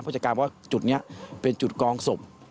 ผู้จัดการบอกว่าจุดเนี่ยเป็นจุดกองศพ